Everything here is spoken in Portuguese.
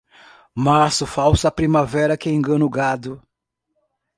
Março, falsa primavera que engana o gado.